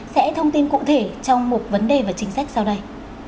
sẽ thông tin cụ thể trong một vấn đề và chính sách sau đây